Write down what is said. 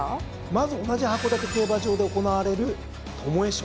まず同じ函館競馬場で行われる巴賞。